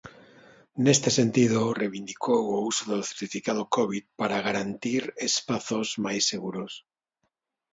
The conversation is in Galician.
Neste sentido, reivindicou o uso do certificado Covid "para garantir espazos máis seguros".